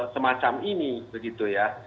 semacam ini begitu ya